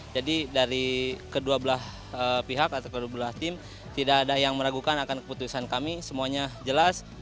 jadi dari kedua belah pihak atau kedua belah tim tidak ada yang meragukan akan keputusan kami semuanya jelas